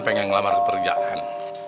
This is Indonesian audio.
pengen ngelamar ke perjalanan